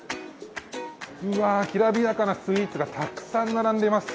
うわ、きらびやかなスイーツがたくさん並んでいます。